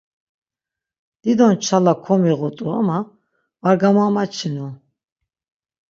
Dido nçala komiğut̆u ama var gamamaçinu.